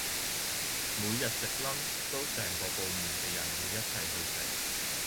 每日食 lunch 都成個部門嘅人會一齊去食